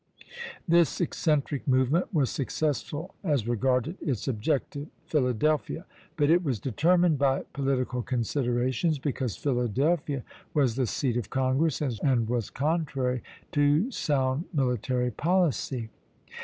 This eccentric movement was successful as regarded its objective, Philadelphia; but it was determined by political considerations, because Philadelphia was the seat of Congress, and was contrary to sound military policy.